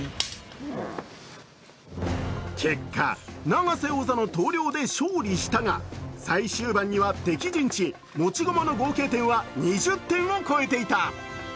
結果、永瀬王座の投了で勝利したが最終盤には敵陣地、持ち駒の合計点は２０点を超えていた。